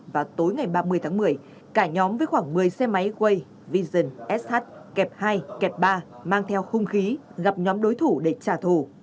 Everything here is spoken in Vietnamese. vào tối ngày ba mươi tháng một mươi cả nhóm với khoảng một mươi xe máy quay vision sh kẹp hai kẹp ba mang theo hung khí gặp nhóm đối thủ để trả thù